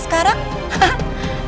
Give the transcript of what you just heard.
sebenarnya pacarmu itu